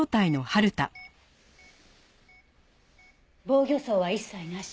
防御創は一切なし。